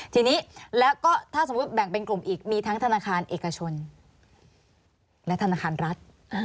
ทีนี้แล้วก็ถ้าสมมุติแบ่งเป็นกลุ่มอีกมีทั้งธนาคารเอกชนและธนาคารรัฐ